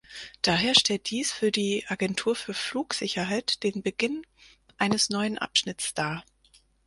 Daher stellt dies für die Agentur für Flugsicherheit den Beginn eines neuen Abschnitts dar.